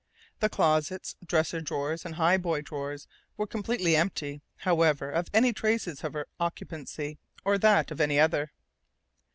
The closets, dresser drawers and highboy drawers were completely empty, however, of any traces of her occupancy or that of any other....